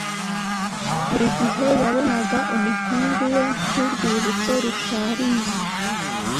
buri gihe yabonaga umuhungu we nk’urwibutso rusharira